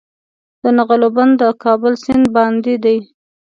د نغلو بند د کابل سیند باندې دی